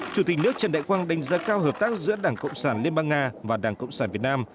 chủ tịch nước trần đại quang đánh giá cao hợp tác giữa đảng cộng sản liên bang nga và đảng cộng sản việt nam